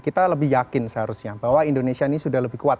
kita lebih yakin seharusnya bahwa indonesia ini sudah lebih kuat